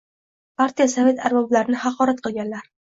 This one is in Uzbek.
Partiya-sovet arboblarini haqorat qilganlar.